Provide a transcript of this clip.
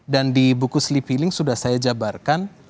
dan di buku sleep healing sudah saya jabarkan